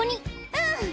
うん。